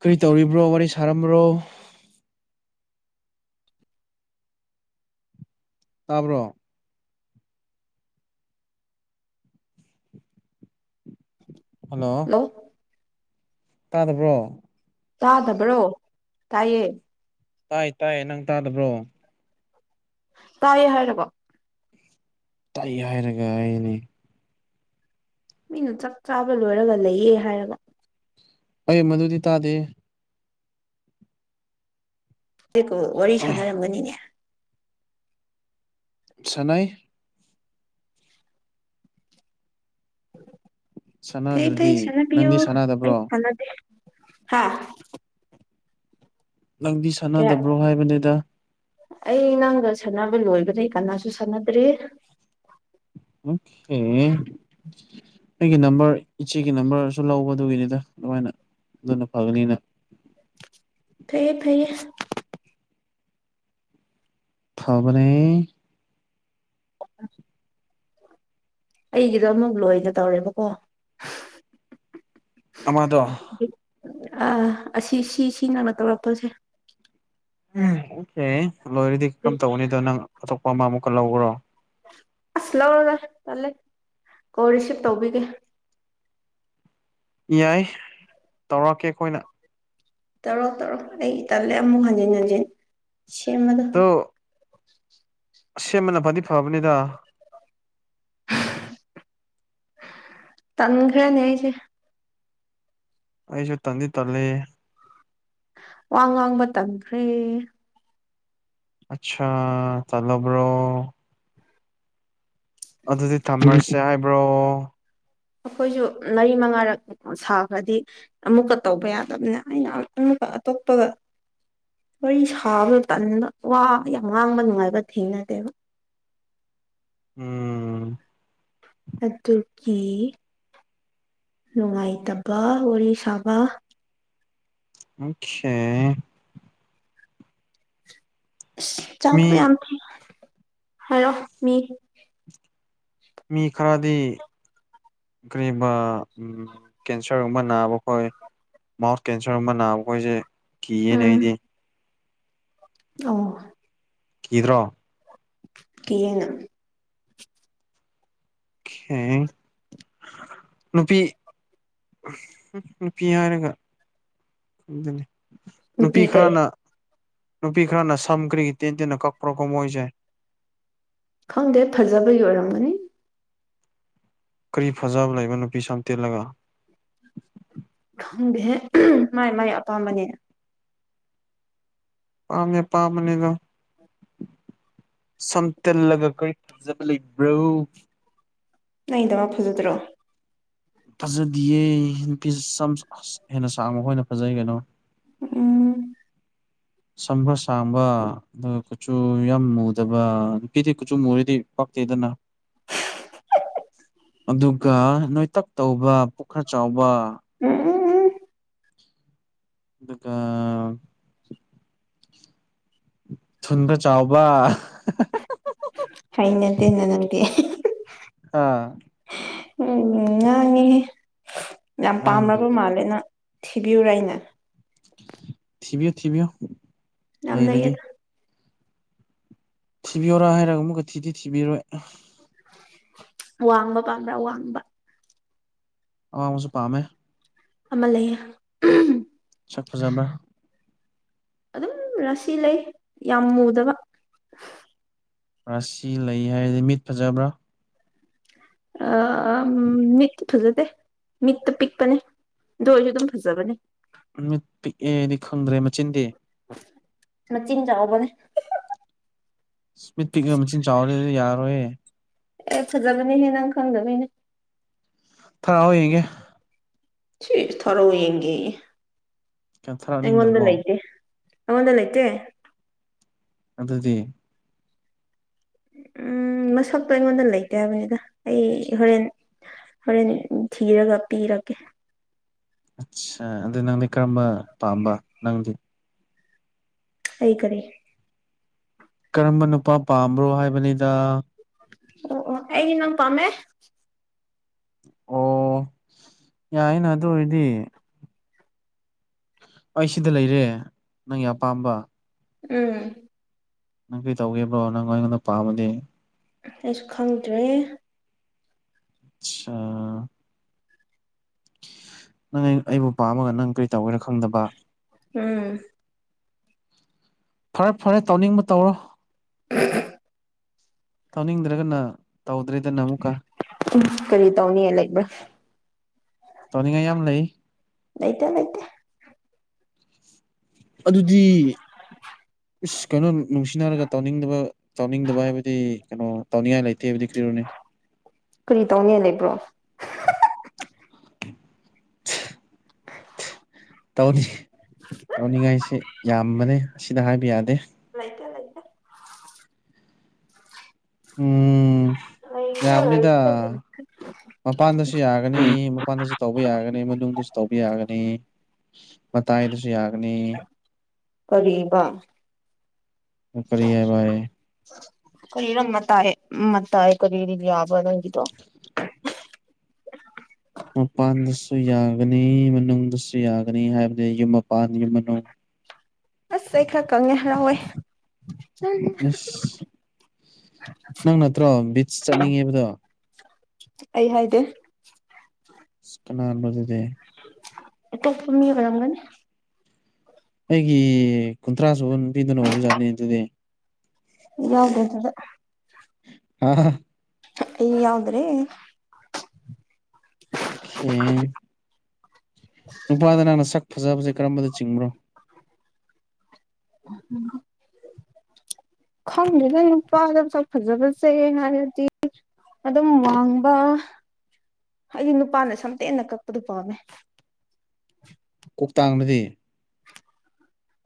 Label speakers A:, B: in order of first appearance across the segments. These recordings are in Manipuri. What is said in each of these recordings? A: ꯀꯔꯤ ꯇꯧꯔꯤꯕ꯭ꯔꯣ ꯋꯥꯔꯤ ꯁꯥꯔꯝꯕ꯭ꯔꯣ ꯇꯥꯕ꯭ꯔꯣ ꯍꯜꯂꯣ ꯇꯥꯗꯕ꯭ꯔꯣ
B: ꯇꯥꯗꯕꯔꯣ ꯇꯥꯏꯌꯦ
A: ꯇꯥꯏ ꯇꯥꯏ ꯅꯪ ꯇꯥꯗꯕ꯭ꯔꯣ
B: ꯇꯥꯏꯌꯦ ꯍꯥꯏꯔꯒ
A: ꯇꯥꯢꯌꯦ ꯍꯥꯏꯔꯒ ꯑꯩꯅꯤ
B: ꯃꯤꯅ ꯆꯥꯛ ꯆꯥꯕ ꯂꯣꯏꯔꯒ ꯂꯩꯌꯦ ꯍꯥꯏꯔꯒ
A: ꯑꯩ ꯃꯗꯨꯗꯤ ꯇꯥꯗꯦ
B: ꯍꯦꯛꯀ ꯋꯥꯔꯤ ꯁꯥꯟꯅꯔꯝꯒꯅꯤꯅꯦ
A: ꯁꯥꯟꯅꯩ
B: ꯐꯩ ꯐꯩ
A: ꯁꯥꯟꯅꯗ꯭ꯔꯗꯤ
B: ꯁꯥꯟꯅꯕꯤꯌꯨ
A: ꯅꯪꯗꯤ
B: ꯑꯩ
A: ꯁꯥꯟꯅꯗꯕ꯭ꯔꯣ
B: ꯁꯥꯟꯅꯗꯦ ꯍꯥ
A: ꯅꯪꯗꯤ ꯁꯥꯟꯅꯗꯕ꯭ꯔꯣ ꯍꯥꯏꯕꯅꯦꯗ
B: ꯑꯩ ꯅꯪꯒ ꯁꯥꯟꯅꯕ ꯂꯣꯏꯕꯗꯩ ꯀꯅꯥꯁꯨ ꯁꯥꯟꯅꯗ꯭ꯔꯤ
A: [unintelligible] ꯑꯩꯒꯤ ꯅꯝꯕꯔ ꯏꯆꯦꯒꯤ ꯅꯝꯕꯔꯁꯨ ꯂꯧꯕ ꯑꯗꯨꯒꯤꯅꯤꯗ ꯑꯗꯨꯃꯥꯏꯅ ꯑꯗꯨꯅ ꯐꯒꯅꯤꯅ
B: ꯐꯩꯌꯦ ꯐꯩꯌꯦ
A: ꯐꯕꯅꯦ
B: [unintelligible] ꯑꯩꯒꯤꯗꯣ ꯑꯃꯨꯛ ꯂꯣꯏꯒꯦ ꯇꯧꯔꯦꯕꯀꯣ
A: ꯑꯃꯗꯣ
B: ꯑ ꯑꯁꯤ ꯁꯤ ꯁꯤ ꯅꯪꯅ ꯇꯧꯔꯛꯄꯁꯦ
A: ꯎꯝ ꯑꯣꯀꯦ ꯂꯣꯏꯔꯗꯤ ꯀꯔꯝ ꯇꯧꯒꯅꯤꯗꯣ ꯅꯪ ꯑꯇꯣꯞꯄ ꯑꯃ ꯑꯃꯨꯛꯀ ꯂꯧꯕ꯭ꯔꯣ
B: ꯑꯁ ꯂꯧꯔꯒ ꯇꯜꯂꯦ ꯀꯣꯔꯤꯁꯨ ꯇꯧꯕꯤꯒꯦ
A: ꯌꯥꯢ
B: [unintelligible]
A: ꯇꯧꯔꯛꯀꯦ ꯑꯈꯣꯏꯅ
B: ꯇꯧꯔꯣ ꯇꯧꯔꯣ ꯑꯩ ꯇꯜꯂꯦ ꯑꯃꯨꯛ ꯍꯟꯖꯤꯟ ꯍꯟꯖꯤꯟ ꯁꯦꯝꯕꯗꯣ
A: ꯑꯁꯦꯝꯕꯅ ꯐꯗꯤ ꯐꯕꯅꯤꯗꯥ
B: [unintelligible] ꯇꯟꯈ꯭ꯔꯅꯦ ꯑꯩꯁꯦ
A: ꯑꯩꯁꯨ ꯇꯟꯗꯤ ꯇꯜꯂꯦ
B: ꯋꯥ ꯉꯥꯡꯕ ꯇꯟꯈ꯭ꯔꯦ
A: ꯑꯠꯁꯥ ꯇꯜꯂꯕ꯭ꯔꯣ ꯑꯗꯨꯗꯤ ꯊꯝꯔꯁꯦ ꯍꯥꯏꯕ꯭ꯔꯣ
B: ꯑꯈꯣꯏꯁꯨ ꯃꯔꯤ ꯃꯉꯥꯔꯛ [unintelligible] ꯁꯥꯈ꯭ꯔꯗꯤ ꯑꯃꯨꯛꯀ ꯇꯧꯕ ꯌꯥꯗꯕꯅ ꯑꯩꯅ ꯑꯃꯨꯛꯀ ꯑꯇꯣꯞꯄꯒ ꯋꯥꯔꯤ ꯁꯥꯕꯗꯣ ꯇꯟꯕ ꯋꯥ ꯌꯥꯝ ꯉꯥꯡꯕ ꯅꯨꯡꯉꯥꯏꯕ ꯊꯦꯡꯅꯗꯦꯕ
A: ꯎꯝ
B: ꯑꯗꯨꯒꯤ ꯅꯨꯡꯉꯥꯏꯇꯕ ꯋꯥꯔꯤ ꯁꯥꯕ
A: ꯑꯣꯡꯈꯦ
B: ꯑꯁ
A: ꯃꯤ
B: ꯆꯥꯛꯇꯣ ꯌꯥꯝ ꯍꯥꯏꯔꯣ ꯃꯤ
A: ꯃꯤ ꯈꯔꯗꯤ ꯀꯔꯤꯕꯥ ꯎꯝ ꯀꯦꯟꯁꯔꯒꯨꯝꯕ ꯅꯥꯕꯈꯣꯏ ꯃꯥꯎꯠ ꯀꯦꯟꯁꯔ ꯒꯨꯝꯕ ꯅꯥꯕ ꯈꯣꯏꯁꯦ ꯀꯤꯌꯦꯅꯦ
B: ꯎꯝ
A: ꯑꯩꯗꯤ
B: ꯑꯣ
A: ꯀꯤꯗ꯭ꯔꯣ
B: ꯀꯤꯌꯦꯅ
A: ꯍꯦꯡ ꯅꯨꯄꯤ ꯎ ꯅꯨꯄꯤ ꯍꯥꯢꯔꯒ ꯑꯗꯨꯅꯤ ꯅꯨꯄꯤ ꯈꯔꯅ ꯅꯨꯄꯤ ꯈꯔꯅ ꯁꯝ ꯀ꯭ꯔꯤꯒꯤ ꯇꯦꯟ ꯇꯦꯟꯅ ꯀꯛꯄ꯭ꯔꯣ ꯀꯣ ꯃꯣꯢꯖꯦ
B: ꯈꯪꯗꯦ ꯐꯖꯕꯒꯤ ꯑꯣꯢꯔꯝꯒꯅꯤ
A: ꯀꯔꯤ ꯐꯖꯕ ꯂꯩꯕ ꯅꯨꯄꯤ ꯁꯥꯝ ꯇꯦꯜꯂꯒ
B: ꯈꯪꯗꯦꯍꯦ ꯃꯥꯢ ꯃꯥꯢ ꯑꯄꯥꯝꯕꯅꯦ
A: ꯄꯥꯝꯃꯦ ꯄꯥꯝꯕꯅꯦꯗꯣ ꯁꯝ ꯇꯦꯛꯂꯒ ꯀꯔꯤ ꯐꯖꯕ ꯂꯩꯕ꯭ꯔꯣ
B: ꯅꯪꯒꯤꯗꯨꯅ ꯐꯖꯗ꯭ꯔꯣ
A: ꯐꯖꯗꯤꯌꯦ ꯅꯨꯄꯤ ꯆꯝ ꯍꯦꯟꯅ ꯁꯥꯡꯕ ꯍꯣꯢꯅ ꯐꯖꯩ ꯀꯩꯅꯣ
B: ꯎꯝ
A: ꯁꯝꯕ ꯁꯥꯥꯡꯕ ꯑ ꯀꯨꯆꯨ ꯌꯥꯝ ꯃꯨꯗꯕ ꯅꯨꯄꯤꯗꯤ ꯀꯨꯆꯨ ꯃꯨꯨꯔꯗꯤ ꯄꯥꯛꯇꯦꯗꯅ ꯑꯗꯨꯒ ꯅꯣꯢꯇꯛ ꯇꯧꯕ ꯄꯨꯈꯔ ꯆꯥꯎꯕ
B: ꯎꯝ ꯎꯝ
A: ꯑꯗꯨꯒ ꯊꯨꯟꯒ ꯆꯥꯎꯕ
B: ꯍꯩꯅꯗꯦꯅ ꯅꯪꯗꯤ
A: ꯑꯥ
B: ꯎꯝ ꯉꯥꯡꯅꯦ ꯌꯥꯝ ꯄꯥꯝꯕ
A: ꯉꯥꯡꯗ꯭ꯔꯗꯤ
B: ꯃꯥꯜꯂꯦ ꯅꯪ ꯊꯤꯕꯤꯌꯨꯔꯥ ꯑꯩꯅ
A: ꯊꯤꯕꯤꯌꯣ ꯊꯤꯕꯤꯌꯣ
B: ꯌꯥꯝ ꯂꯩꯌꯦꯗ
A: ꯊꯤꯕꯤꯌꯣꯔꯥ ꯍꯥꯢꯔꯒ ꯑꯃꯨꯛꯀ ꯊꯤꯗꯤ ꯊꯤꯕꯤꯔꯣꯢ
B: ꯋꯥꯡꯕ ꯄꯥꯝꯕ꯭ꯔꯥ ꯋꯥꯡꯕ
A: ꯑꯋꯥꯡꯕꯖꯨ ꯄꯥꯝꯃꯦ
B: ꯑꯃ ꯂꯩꯌꯦ ꯎꯝ
A: ꯁꯛ ꯐꯖꯕ꯭ꯔꯥ
B: ꯑꯗꯨꯝ ꯔꯥꯁꯤ ꯂꯩ ꯌꯥꯝ ꯃꯨꯗꯕ
A: ꯔꯥꯁꯤ ꯂꯩ ꯍꯥꯢꯔꯗꯤ ꯃꯤꯠ ꯐꯖꯕ꯭ꯔꯥ
B: ꯑꯥ ꯑꯥ ꯃꯤꯠ ꯐꯖꯗꯦ ꯃꯤꯠꯇ ꯄꯤꯛꯄꯅꯦ ꯗꯣꯢꯖꯨ ꯑꯗꯨꯝ ꯐꯖꯕꯅꯦ
A: ꯃꯤꯠ ꯄꯤꯛꯑꯦꯗꯤ ꯈꯪꯗ꯭ꯔꯦ ꯃꯆꯤꯟꯗꯤ
B: ꯃꯆꯤꯟ ꯆꯥꯎꯕꯅꯦ
A: ꯁ꯭ꯃꯤꯠ ꯄꯤꯛ ꯃꯆꯤꯟ ꯆꯥꯎꯔꯦꯗꯤ ꯌꯥꯔꯔꯣꯢꯌꯦ
B: ꯑꯦ ꯐꯖꯕꯅꯤ ꯍꯦ ꯅꯪ ꯈꯪꯗꯕꯩꯅꯦ
A: ꯊꯔꯛꯑꯣ ꯌꯦꯡꯒꯦ
B: ꯁꯤ ꯊꯥꯔꯛꯑꯣ ꯌꯦꯡꯒꯦ ꯑꯩꯉꯣꯟꯗ
A: ꯀꯦꯟꯊꯔꯛꯅꯤꯡꯗ꯭ꯔꯕꯣ
B: ꯂꯩꯇꯦ ꯑꯩꯉꯣꯟꯗ ꯂꯩꯇꯦ
A: ꯑꯗꯨꯗꯤ
B: ꯎꯝ ꯃꯁꯛꯇꯣ ꯑꯩꯉꯣꯟꯗ ꯂꯩꯇꯦ ꯍꯥꯏꯕꯅꯤꯗ ꯑꯩ ꯍꯣꯔꯦꯟ ꯍꯣꯔꯦꯟ ꯊꯤꯔꯒ ꯄꯤꯔꯒꯦ
A: ꯑꯠꯁꯥ ꯑꯗꯨ ꯅꯪꯗꯤ ꯀꯔꯝꯕ ꯄꯥꯝꯕ ꯅꯪꯗꯤ꯫
B: ꯑꯩꯩ ꯀꯔꯤ꯫
A: ꯀꯔꯝꯕ ꯅꯨꯄꯥ ꯄꯥꯝꯕ꯭ꯔꯣ ꯍꯥꯏꯕꯅꯤꯗ꯫
B: ꯑꯣ ꯑꯣ ꯑꯩꯗꯤ ꯅꯪ ꯄꯥꯝꯃꯦ꯫
A: ꯑꯣ ꯌꯥꯏꯅ ꯑꯗꯨ ꯑꯣꯏꯔꯗꯤ꯫ ꯑꯩ ꯁꯤꯗ ꯂꯩꯔꯦ ꯅꯪꯒꯤ ꯑꯄꯥꯝꯕ꯫
B: ꯎꯝ꯫
A: ꯅꯪ ꯀꯩ ꯇꯧꯒꯦꯕ꯭ꯔꯣ ꯅꯪ ꯑꯩꯉꯣꯟꯗ ꯄꯥꯝꯗꯤ꯫
B: ꯑꯩꯁꯨ ꯈꯪꯗ꯭ꯔꯦ꯫
A: ꯆꯥꯥ꯫ ꯅꯪ ꯑꯩ ꯑꯩꯕꯨ ꯄꯥꯝꯃꯒ ꯅꯪ ꯀꯔꯤ ꯇꯧꯒꯦꯔ ꯈꯪꯗꯕ꯫
B: ꯎꯝ꯫
A: ꯐꯔꯦ ꯐꯔꯦ ꯇꯧꯅꯤꯡꯕ ꯇꯧꯔꯣ꯫ ꯇꯧꯅꯤꯡꯗ꯭ꯔꯒꯅ ꯇꯧꯗ꯭ꯔꯦꯗꯅ ꯑꯃꯨꯛꯀ꯫
B: ꯎꯝ ꯀꯔꯤ ꯇꯧꯅꯤꯡꯉꯥꯏ ꯂꯩꯕ꯭ꯔꯥ꯫
A: ꯇꯧꯅꯤꯡꯉꯥꯏ ꯌꯥꯝ ꯂꯩ꯫
B: ꯂꯩꯇꯦ ꯂꯩꯇꯦ꯫
A: ꯑꯗꯨꯗꯤ ꯏꯁ ꯀꯩꯅꯣ ꯅꯨꯡꯁꯤꯅꯔꯒ ꯇꯧꯅꯤꯡꯗꯕ ꯇꯧꯅꯤꯡꯗꯕ ꯍꯥꯏꯕꯗꯤ ꯀꯩꯅꯣ ꯇꯧꯅꯤꯡꯉꯥꯏ ꯂꯩꯇꯦ ꯍꯥꯏꯕꯗꯤ ꯀꯔꯤꯔꯣꯅꯦ꯫
B: ꯀꯔꯤ ꯇꯧꯅꯦ ꯂꯩꯕ꯭ꯔꯣ꯫
A: [unintelligible] ꯇꯧꯅꯤ ꯇꯧꯅꯤꯡꯉꯥꯏꯁꯤ ꯌꯥꯝꯕꯅꯦ ꯁꯤꯗ ꯍꯥꯏꯕ ꯌꯥꯗꯦ꯫
B: ꯂꯩꯇꯦ ꯂꯩꯇꯦ꯫
A: ꯎꯝ꯫
B: ꯂꯩꯇꯦ
A: ꯌꯥꯕꯅꯤꯗ
B: ꯂꯩꯇꯦ ꯂꯩꯇꯦ꯫
A: ꯃꯄꯥꯟꯗꯁꯨ ꯌꯥꯒꯅꯤ ꯃꯄꯥꯟꯗꯁꯨ ꯇꯧꯕ ꯌꯥꯒꯅꯤ ꯃꯅꯨꯡꯗꯁꯨ ꯇꯧꯕ ꯌꯥꯒꯅꯤ꯫ ꯃꯇꯥꯏꯗ ꯖꯨ ꯌꯥꯒꯅꯤ꯫
B: [unintelligible] ꯀꯔꯤꯕ
A: ꯅꯪ ꯀꯔꯤ ꯍꯥꯏꯕꯌꯦ꯫
B: ꯀꯔꯤꯔ ꯃꯇꯥꯏ ꯃꯇꯥꯏ ꯀꯔꯤꯔꯤ ꯌꯥꯕꯔ ꯅꯪꯒꯤꯗꯣ꯫
A: [unintelligible] ꯃꯄꯥꯟꯗꯁꯨ ꯌꯥꯒꯅꯤ ꯃꯅꯨꯡꯗꯁꯨ ꯌꯥꯒꯅꯤ ꯍꯥꯏꯕꯗꯤ ꯌꯨꯝ ꯃꯄꯥꯟ ꯌꯨꯝ ꯃꯅꯨꯡ
B: ꯑꯁ ꯑꯩ ꯈꯔ ꯀꯪꯉꯦ ꯍꯔꯥꯎꯋꯦ꯫ ꯅꯪ
A: ꯏꯁ ꯅꯪ ꯅꯠꯇ꯭ꯔꯣ ꯕꯤꯠꯁ ꯆꯠꯅꯤꯡꯉꯦ ꯍꯥꯏꯕꯗꯣ꯫
B: ꯑꯩ ꯍꯥꯏꯗꯦ꯫
A: ꯑꯁ ꯀꯅꯥꯅꯣ ꯑꯗꯨꯗꯤ꯫
B: ꯑꯇꯣꯞꯄ ꯃꯤ ꯑꯣꯏꯔꯝꯒꯅꯤ꯫
A: ꯑꯩꯒꯤ ꯀꯨꯟꯊ꯭ꯔꯥ ꯁꯨꯕ ꯅꯨꯄꯤꯗꯨꯅ ꯑꯣꯏꯕꯖꯥꯠꯅꯤ ꯑꯗꯨꯗꯤ꯫
B: ꯌꯥꯎꯗꯦ ꯑꯗꯨꯗ꯫
A: ꯍꯥꯍꯥꯍꯥ꯫
B: ꯑꯩ ꯌꯥꯎꯗ꯭ꯔꯦ꯫
A: ꯈꯦ ꯅꯨꯄꯥꯗ ꯅꯪꯅ ꯁꯛ ꯐꯖꯕꯁꯦ ꯀꯔꯝꯕꯗ ꯆꯤꯡꯕ꯭ꯔꯣ꯫
B: [unintelligible] ꯈꯪꯗꯦꯗ ꯅꯨꯄꯥꯗ ꯃꯁꯛ ꯐꯖꯕꯁꯦ ꯍꯥꯏꯔꯗꯤ ꯑꯗꯨꯝ ꯋꯥꯡꯕ ꯍꯥꯏꯗꯤ ꯅꯨꯄꯥꯅ ꯁꯝꯇꯦꯟꯅ ꯀꯛꯄꯗꯨ ꯄꯥꯝꯃꯦ
A: ꯀꯣꯛꯇꯥꯡꯕꯗꯤ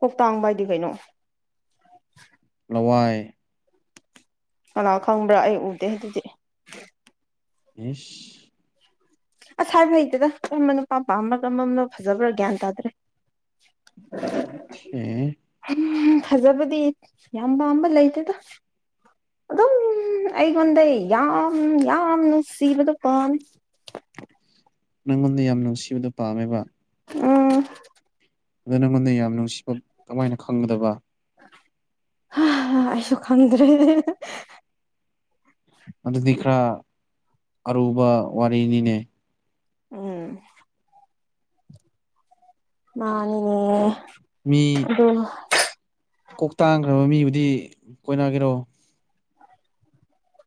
B: ꯀꯣꯛꯇꯥꯡꯕ ꯍꯥꯏꯗꯤ ꯀꯩꯅꯣ
A: ꯂꯋꯥꯏ
B: ꯀꯅꯥ ꯈꯪꯕ꯭ꯔꯥ ꯑꯩ ꯎꯗꯦ ꯑꯗꯨꯗꯤ
A: ꯏꯁ
B: ꯍꯥꯏꯕ ꯍꯩꯇꯗ [unintelligible] ꯅꯨꯄꯥ ꯃꯄꯥꯝꯕꯔꯥ [unintelligible] ꯐꯖꯕ꯭ꯔꯥ ꯒ꯭ꯌꯥꯟ ꯇꯥꯗ꯭ꯔꯦ
A: [unintelligible]
B: ꯎꯝ ꯐꯖꯕꯗꯤ ꯌꯥꯝ ꯄꯝꯕ ꯂꯩꯇꯦꯗ ꯑꯗꯨꯝ ꯑꯩꯉꯣꯟꯗ ꯌꯥꯝ ꯌꯥꯝ ꯅꯨꯡꯁꯤꯕꯗꯨ ꯄꯝꯃꯦ [unintelligible]
A: ꯅꯪꯉꯣꯟꯗ ꯌꯥꯝ ꯅꯨꯡꯁꯤꯕꯗꯣ ꯄꯥꯝꯃꯦꯕ
B: ꯎꯝ
A: ꯑꯗꯣ ꯅꯪꯉꯣꯟꯗ ꯌꯥꯝ ꯅꯨꯡꯁꯤꯕ ꯀꯃꯥꯏꯅ ꯈꯪꯒꯗꯕ
B: ꯑꯩꯁꯨ ꯈꯪꯗ꯭ꯔꯦ ꯑꯗꯨꯗꯤ
A: ꯑꯗꯨꯗꯤ ꯈꯔ ꯑꯔꯨꯕ ꯋꯥꯔꯤꯅꯤꯅꯦ
B: ꯎꯝ ꯃꯥꯅꯤꯅꯦ ꯑꯗꯨ
A: ꯀꯣꯛꯇꯥꯡꯈ꯭ꯔꯕ ꯃꯤꯕꯨꯗꯤ ꯀꯣꯏꯅꯒꯦꯔꯣ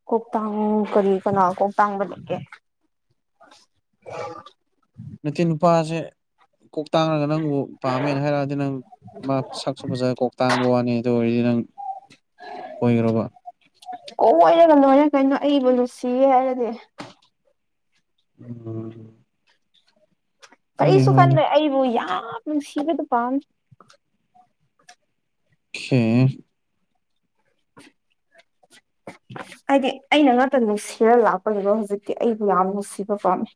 B: ꯀꯣꯛꯇꯥꯡ ꯀꯔꯤ ꯀꯅꯥ ꯀꯣꯛꯇꯥꯡꯕ ꯂꯩꯒꯦ [unintelligible]
A: ꯅꯠꯇꯦ ꯅꯨꯄꯥꯁꯦ ꯀꯣꯛ ꯇꯥꯡꯉꯒ ꯅꯪꯕꯨ ꯄꯥꯝꯃꯦꯅ ꯍꯥꯏꯔꯛꯑꯗꯤ ꯅꯪ ꯃꯥ ꯁꯛ ꯁꯨ ꯐꯖꯔꯒ ꯀꯣꯛꯇꯥꯡꯕ ꯋꯥꯅꯤ ꯑꯗꯨ ꯑꯣꯏꯔꯗꯤ ꯅꯪ ꯀꯣꯏꯒꯦꯔꯣꯕ
B: ꯀꯣꯏꯔꯒ ꯂꯣꯏꯔꯦ ꯀꯩꯅꯣ ꯑꯩꯕꯨ ꯂꯨꯁꯤꯌꯦ ꯍꯥꯏꯔꯗꯤ
A: ꯎꯝ ꯍꯣꯏꯅꯦ
B: ꯀꯔꯤꯁꯨ
A: ꯍꯣꯏꯅꯦ
B: ꯈꯟꯗ꯭ꯔꯦ ꯑꯩꯕꯨ ꯌꯥꯝ ꯅꯨꯡꯁꯤꯕꯗꯨ ꯄꯥꯝꯃꯤ [unintelligible]
A: ꯁꯔ
B: [unintelligible]
A: [inaudible]
B: ꯍꯥꯏꯗꯤ ꯑꯩꯅ ꯉꯥꯛꯇ ꯅꯨꯡꯁꯤꯔ ꯂꯥꯛꯄꯅꯦꯕ ꯍꯧꯖꯤꯛꯇꯤ ꯑꯩꯕꯨ ꯌꯥꯝ ꯅꯨꯡꯁꯤꯕ ꯄꯥꯝꯃꯦ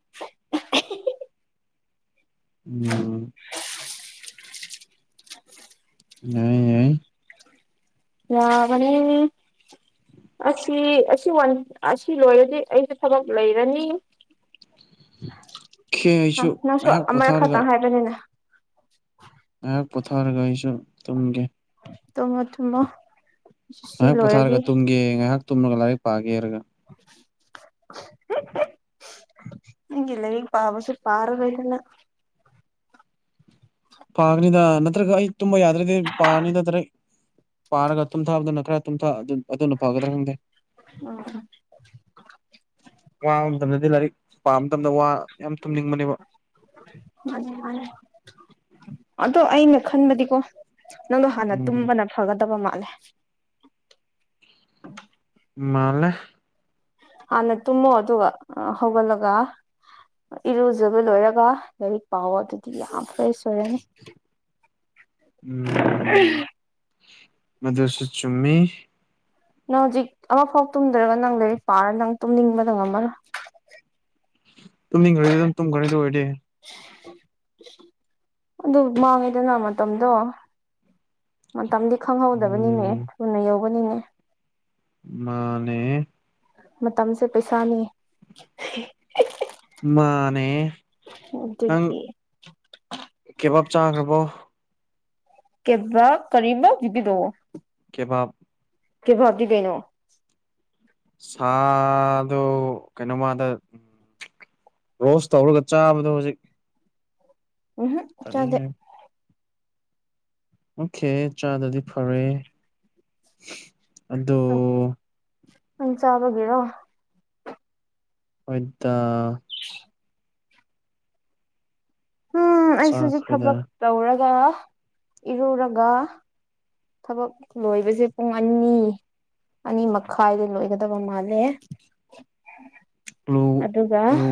B: [unintelligible]
A: ꯎꯝ ꯌꯥꯏ ꯌꯥꯏ
B: ꯌꯥꯕꯅꯦ ꯑꯁꯤ ꯑꯁꯤ ꯋꯟ ꯑꯁꯤ ꯂꯣꯏꯔꯗꯤ ꯑꯩꯩ ꯊꯕꯛ ꯂꯩꯔꯅꯤ
A: ꯈꯦ ꯑꯩꯁꯨ
B: ꯅꯪꯁꯨ
A: ꯉꯥꯏꯍꯥꯛ
B: ꯑꯃꯔꯛ
A: ꯄꯣꯊꯥꯔꯒ
B: [unintelligible]
A: ꯉꯥꯏꯍꯥꯛ ꯄꯣꯊꯥꯔꯒ ꯑꯩꯁꯨ ꯇꯨꯝꯒꯦ
B: ꯇꯨꯃꯣ ꯊꯨꯃꯣ
A: ꯉꯥꯏꯍꯥꯛ ꯄꯣꯊꯥꯔꯒ ꯇꯨꯝꯒꯦ ꯉꯥꯏꯍꯥꯛ ꯇꯨꯝꯃꯒ ꯂꯥꯏꯔꯤꯛ ꯄꯥꯒꯦꯍꯥꯔꯒ
B: ꯅꯪꯒꯤ ꯂꯥꯏꯔꯤꯛ ꯄꯥꯕꯁꯨ ꯄꯔꯔꯣꯏꯅ
A: ꯄꯥꯒꯅꯤꯗ ꯅꯠꯇ꯭ꯔꯒ ꯑꯩ ꯇꯨꯝꯕ ꯌꯥꯗ꯭ꯔꯗꯤ ꯄꯥꯔꯅꯤ ꯅꯠꯇ꯭ꯔ ꯄꯥꯔꯒ ꯇꯨꯝꯊꯥꯕꯗꯨꯅ [unintelligible] ꯑꯗꯨꯅ ꯐꯒꯗ꯭ꯔꯥ ꯈꯪꯗꯦ
B: ꯎꯝ
A: ꯋꯥꯕ ꯃꯇꯝꯗꯗꯤ ꯂꯥꯏꯔꯤꯛ ꯄꯥꯕ ꯃꯇꯝꯗ ꯋꯥ ꯌꯥꯝ ꯇꯨꯝꯅꯤꯡꯕꯅꯦꯕ
B: ꯃꯥꯅꯦ ꯃꯥꯅꯦ ꯑꯗꯣ ꯑꯩꯅ ꯈꯟꯕꯗꯤꯀꯣ ꯅꯪꯗꯣ ꯍꯥꯟꯅ
A: ꯎꯝ
B: ꯇꯨꯝꯕꯅ ꯐꯒꯗꯕ ꯃꯥꯜꯂꯦ
A: ꯃꯥꯜꯂꯦ
B: ꯍꯥꯟꯅ ꯇꯨꯝꯃꯣ ꯑꯗꯨꯒ ꯍꯧꯒꯠꯂꯒ ꯏꯔꯨꯖꯕ ꯂꯣꯏꯔꯒ ꯂꯥꯏꯔꯤꯛ ꯄꯥꯎꯑꯣ ꯑꯗꯨꯗꯤ ꯌꯥꯝ ꯐꯔꯦꯁ ꯑꯣꯏꯔꯅꯤ
A: ꯎꯝ ꯃꯗꯨꯁ ꯆꯨꯝꯃꯤ
B: ꯅꯪ ꯍꯧꯖꯤꯛ ꯑꯃꯐꯥꯎ ꯇꯨꯝꯗ꯭ꯔꯒ ꯅꯪ ꯂꯥꯏꯔꯤꯛ ꯄꯥꯔ ꯅꯪ ꯇꯨꯝꯅꯤꯡꯕꯗ ꯉꯝꯃꯔꯣꯏ
A: ꯇꯨꯝꯅꯤꯡꯈ꯭ꯔꯗꯤ ꯑꯗꯨꯝ ꯇꯨꯝꯈ꯭ꯔꯅꯤ ꯑꯗꯨ ꯑꯣꯏꯗꯤ
B: [inaudible] ꯑꯗꯨ ꯃꯥꯡꯉꯦꯗꯅ ꯃꯇꯝꯗꯣ ꯃꯇꯝꯗꯤ ꯈꯪꯍꯧꯗꯕꯅꯤꯅꯦ
A: ꯎꯝ
B: ꯊꯨꯅ ꯌꯧꯕꯅꯤꯅꯦ
A: ꯃꯥꯅꯦ
B: ꯃꯇꯝꯁꯦ ꯄꯩꯁꯥꯅꯤ
A: ꯃꯥꯅꯦ ꯅꯪ
B: ꯑꯗꯨꯒꯤ
A: ꯀꯦꯕꯥꯞ ꯆꯥꯈ꯭ꯔꯕꯣ
B: ꯀꯦꯕꯥꯞ ꯀꯔꯤꯕ ꯍꯧꯖꯤꯛꯀꯤꯗꯣ
A: ꯀꯦꯕꯥꯞ
B: ꯀꯦꯕꯥꯞꯇꯤ ꯀꯩꯅꯣ
A: ꯁꯥꯗꯣ ꯀꯩꯅꯣꯃꯗ ꯎꯝ ꯔꯣꯁ ꯇꯧꯔꯒ ꯆꯥꯕꯗꯣ ꯍꯧꯖꯤꯛ
B: ꯎꯝ ꯍꯨꯝ
A: ꯀꯔꯤ
B: ꯆꯥꯗꯦ
A: ꯑꯣꯀꯦ ꯆꯥꯗꯔꯗꯤ ꯐꯔꯦ ꯑꯗꯣ
B: ꯅꯪ ꯆꯥꯕꯒꯤꯔꯣ
A: ꯍꯣꯏꯗ
B: [unintelligible] ꯎꯝ ꯑꯩꯁꯨ ꯍꯧꯖꯤꯛ ꯊꯕꯛ
A: ꯆꯥꯈ꯭ꯔꯦꯗ
B: ꯇꯧꯔꯒ ꯏꯔꯨꯔꯒ ꯊꯕꯛ ꯂꯣꯏꯕꯁꯦ ꯄꯨꯡ ꯑꯅꯤ ꯑꯅꯤ ꯃꯈꯥꯏꯗ ꯂꯣꯏꯒꯗꯕ ꯃꯥꯜꯂꯦ
A: ꯂꯨ
B: ꯑꯗꯨꯒ
A: ꯂꯨ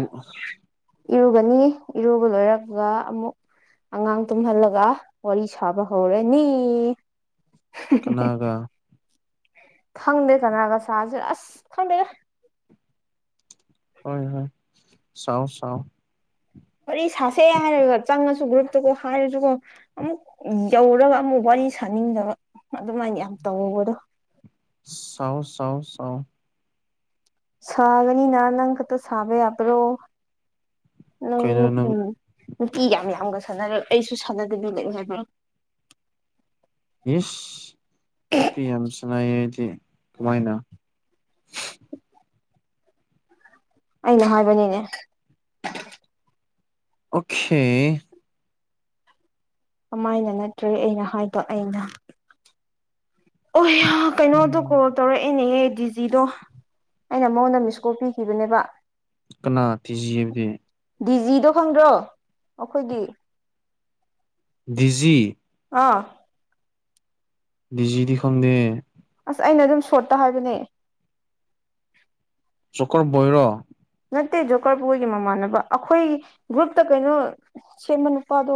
B: ꯏꯔꯨꯒꯅꯤ ꯏꯔꯨꯕ ꯂꯣꯏꯔꯒ ꯑꯃꯨꯛ ꯑꯉꯥꯡ ꯇꯨꯝꯍꯜꯂꯒ ꯋꯥꯔꯤ ꯁꯥꯕ ꯍꯧꯔꯅꯤ
A: ꯀꯅꯥꯒ
B: ꯈꯪꯗꯦ ꯀꯅꯥ꯭ꯔꯒ ꯁꯥꯖꯤꯔ ꯑꯁ ꯈꯪꯗꯦꯗ
A: ꯍꯣꯏ ꯍꯣꯏ ꯁꯥꯎ ꯁꯥꯎ
B: ꯋꯥꯔꯤ ꯁꯥꯁꯦ ꯍꯥꯏꯔꯒ ꯆꯪꯉꯁꯨ ꯒ꯭ꯔꯨꯞꯇꯨꯀꯣ ꯍꯥꯏꯔꯁꯨꯀꯣ ꯑꯃꯨꯛ ꯌꯧꯔꯒ ꯑꯃꯨꯛ ꯋꯥꯔꯤ ꯁꯥꯅꯤꯡꯗꯕ ꯑꯗꯨꯃꯥꯏꯅ ꯌꯥꯝ ꯇꯧꯕꯗꯣ
A: ꯁꯥꯎ ꯁꯥꯎ ꯁꯥꯎ
B: ꯁꯥꯒꯅꯤꯅ ꯅꯪ ꯈꯛꯇ ꯁꯥꯕ ꯌꯥꯕ꯭ꯔꯣ ꯅꯪꯗꯤ
A: ꯀꯩꯅꯣ
B: ꯅꯨꯄꯤ
A: ꯅꯪ
B: ꯅꯨꯄꯤ ꯌꯥꯝ ꯌꯥꯝꯒ ꯁꯥꯟꯅꯔ ꯑꯩꯁꯨ ꯁꯥꯟꯅꯗꯕꯤ ꯂꯩꯌꯣ ꯍꯥꯏꯕꯔꯣ
A: ꯏꯁ ꯅꯨꯄꯤ ꯌꯥꯝ ꯁꯥꯏ ꯍꯥꯏꯗꯤ ꯀꯃꯥꯏꯅ
B: ꯑꯩꯅ ꯍꯥꯏꯕꯅꯤꯅꯦ
A: ꯑꯣꯀꯦ
B: ꯀꯃꯥꯏꯅ ꯅꯠꯇ꯭ꯔꯦ ꯑꯩꯅ ꯍꯥꯏꯕ ꯑꯩꯅ ꯑꯣ ꯌꯥ ꯀꯩꯅꯣꯗꯣ ꯀꯣꯜ
A: ꯎꯝ,
B: ꯇꯧꯔꯛꯑꯦꯅꯦꯍꯦ ꯗꯤ ꯖꯤꯗꯣ ꯑꯩꯅ ꯃꯉꯣꯟꯗ ꯃꯤꯁꯀꯣꯜ ꯄꯤꯈꯤꯕꯅꯦꯕ
A: ꯀꯅꯥ ꯗꯤꯖꯤ ꯍꯥꯏꯕꯗꯤ
B: ꯗꯤꯖꯤꯗꯣ ꯈꯪꯗ꯭ꯔꯣ ꯑꯈꯣꯏꯒꯤ
A: ꯗꯤꯖꯤ
B: ꯑꯥ
A: ꯗꯤꯖꯤꯗꯤ ꯈꯪꯗꯦ
B: ꯑꯁ ꯑꯩꯅ ꯑꯗꯨꯝ ꯁꯣꯔꯠꯇ ꯍꯥꯏꯕꯅꯦ
A: ꯆꯣꯀꯔ ꯕꯣꯏꯔꯣ
B: ꯅꯠꯇꯦ ꯖꯣꯀꯔꯕꯣꯏꯒꯤ ꯃꯃꯥꯟꯅꯕ ꯑꯈꯣꯏ ꯒ꯭ꯔꯨꯞꯇ ꯀꯩꯅꯣ ꯁꯦꯝꯕ ꯅꯨꯄꯥꯗꯣ